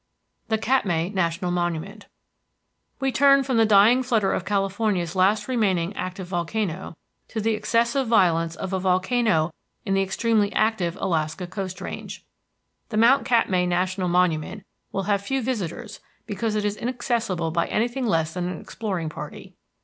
THE KATMAI NATIONAL MONUMENT We turn from the dying flutter of California's last remaining active volcano to the excessive violence of a volcano in the extremely active Alaskan coast range. The Mount Katmai National Monument will have few visitors because it is inaccessible by anything less than an exploring party.